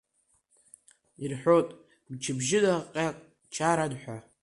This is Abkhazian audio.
Ирҳәоит мчыбжьынаҟьак чаран ҳәа.